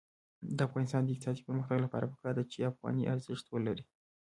د افغانستان د اقتصادي پرمختګ لپاره پکار ده چې افغانۍ ارزښت ولري.